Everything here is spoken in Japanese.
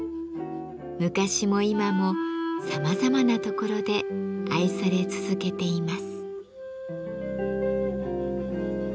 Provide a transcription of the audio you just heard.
昔も今もさまざまなところで愛され続けています。